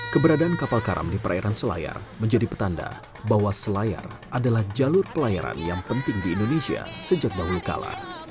keberadaan kapal karam di perairan selayar menjadi petanda bahwa selayar adalah jalur pelayaran yang penting di indonesia sejak dahulu kala